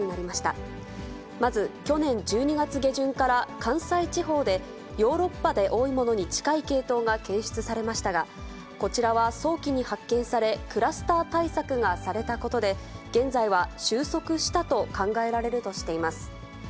まず去年１２月下旬から関西地方で、ヨーロッパで多いものに近い系統が検出されましたが、こちらは早期に発見され、クラスター対策がされたことで、現在は収束したと考えられるとしています。